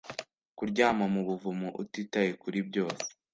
Kuryama mu buvumo utitaye kuri byose